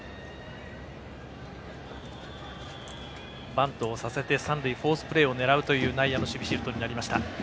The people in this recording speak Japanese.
バントをさせて三塁フォースプレーを狙うという内野の守備シフトになりました。